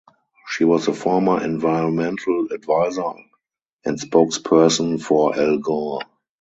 She was the former environmental adviser and spokesperson for Al Gore.